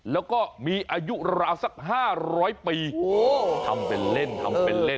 แล้วก็มีอายุราวสัก๕๐๐ปีทำเป็นเล่นทำเป็นเล่น